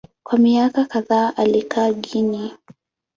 Kwa miaka kadhaa alikaa Guinea.